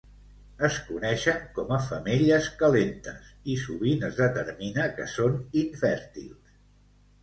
Es coneixen com a "femelles calentes" i sovint es determina que són infèrtils.